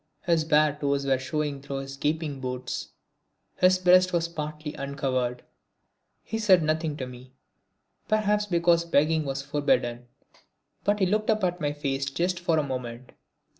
His bare toes were showing through his gaping boots, his breast was partly uncovered. He said nothing to me, perhaps because begging was forbidden, but he looked up at my face just for a moment.